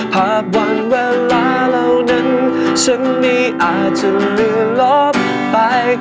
หากวันเวลาเหล่านั้นฉันนี้อาจจะลื่อลบไป